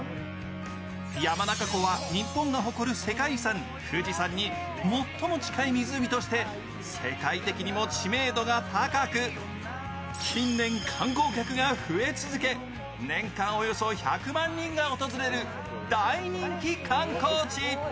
山中湖は日本が誇る世界遺産・富士山に最も近い湖として世界的にも知名度が高く、近年、観光客が増え続け年間およそ１００万人が訪れる大人気観光地。